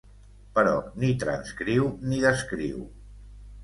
Però ni transcriu ni descriu.